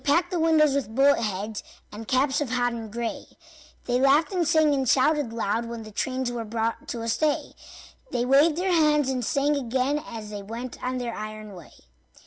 They packed the windows with bullet heads And caps of hodden gray; They laughed and sang and shouted loud When the trains were brought to a stay; They waved their hands and sang again As they went on their iron way.